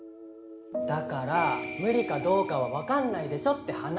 だから無理かどうかは分かんないでしょって話。